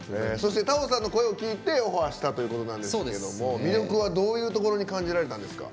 そして、太鳳さんの声を聴いてオファーしたということでしたが魅力はどういうところに感じられたんですか？